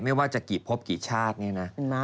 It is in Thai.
ไม่ว่าจะกี่พบกี่ชาติเนี่ยนะ